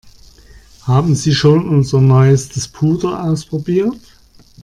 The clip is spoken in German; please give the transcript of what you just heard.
Haben Sie schon unser neuestes Puder ausprobiert?